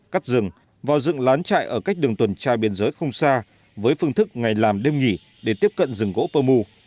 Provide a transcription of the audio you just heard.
cắt rừng vào dựng lán chạy ở cách đường tuần trai biên giới không xa với phương thức ngày làm đêm nghỉ để tiếp cận rừng gỗ pơ mu